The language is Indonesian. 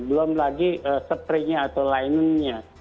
belum lagi spray nya atau linen nya